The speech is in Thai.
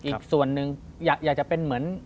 อีกส่วนหนึ่งอยากจะเป็นเหมือน